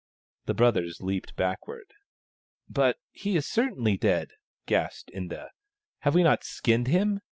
The brothers leaped backward. " But he is certainly dead," gasped Inda. " Have we not skinned him